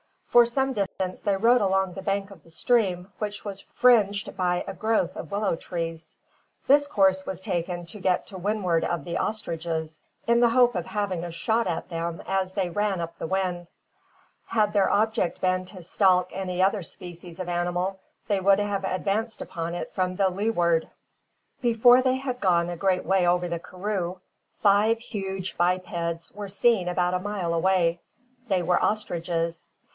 For some distance, they rode along the bank of the stream which was fringed by a growth of willow trees. This course was taken to get to windward of the ostriches, in the hope of having a shot at them as they ran up the wind. Had their object been to stalk any other species of animal, they would have advanced upon it from the leeward. Before they had gone a great way over the karroo, five huge bipeds were seen about a mile away. They were ostriches.